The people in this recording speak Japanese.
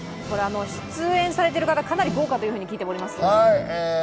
出演されている方、かなり豪華と聞いていますけれども。